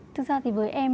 thực ra thì với em